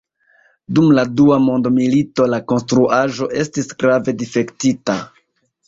Dum la Dua Mondmilito la konstruaĵo estis grave difektita.